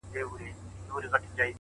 پوهه له تجربو رنګ اخلي؛